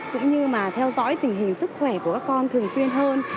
cũng như theo dõi tình hình sức khỏe của các con thường xuyên hơn